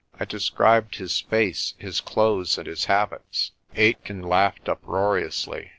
I described his face, his clothes, and his habits. Aitken laughed uproariously.